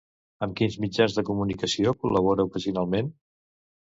Amb quins mitjans de comunicació col·labora ocasionalment?